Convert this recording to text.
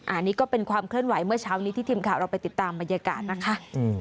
อันนี้ก็เป็นความเคลื่อนไหวเมื่อเช้านี้ที่ทีมข่าวเราไปติดตามบรรยากาศนะคะ